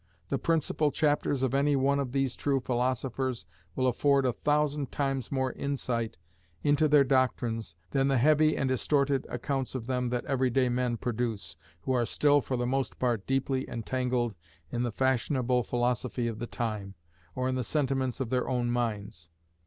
The principal chapters of any one of these true philosophers will afford a thousand times more insight into their doctrines than the heavy and distorted accounts of them that everyday men produce, who are still for the most part deeply entangled in the fashionable philosophy of the time, or in the sentiments of their own minds.